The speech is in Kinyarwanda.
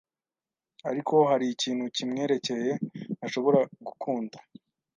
ariko hari ikintu kimwerekeye ntashobora gukunda.